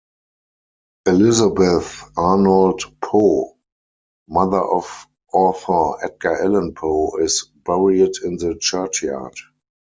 Elizabeth Arnold Poe, mother of author Edgar Allan Poe, is buried in the churchyard.